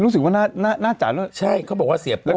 รู้สึกว่าน่าน่าน่าจริงใช่เขาบอกว่าเสียโป้กับเมีย